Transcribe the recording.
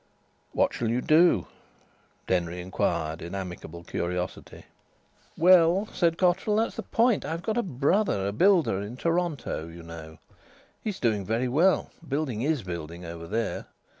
"What shall you do?" Denry inquired in amicable curiosity. "Well," said Cotterill, "that's the point. I've got a brother a builder in Toronto, you know. He's doing very well; building is building over there.